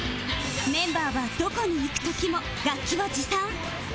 メンバーはどこに行く時も楽器を持参